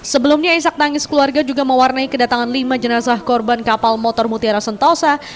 sebelumnya isak tangis keluarga juga mewarnai kedatangan lima jenazah korban kapal motor mutiara sentosa